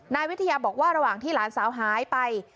นายวิทยาบอกว่าระหว่างที่หลานสาวหายไป